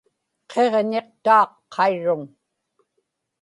qiġñiqtaaq qairruŋ